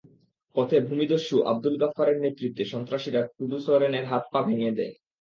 পথে ভূমিদস্যু আবদুল গাফফারের নেতৃত্বে সন্ত্রাসীরা টুডু সরেনের হাত-পা ভেঙে দেয়।